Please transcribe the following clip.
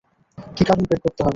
কি কারণ বের করতে হবে।